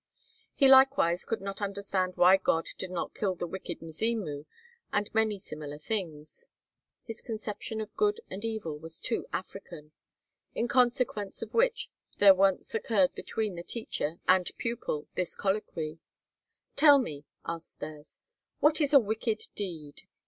He likewise could not understand why God did not kill the wicked "Mzimu," and many similar things. His conception of good and evil was too African; in consequence of which there once occurred between the teacher and pupil this colloquy: "Tell me," asked Stas, "what is a wicked deed?"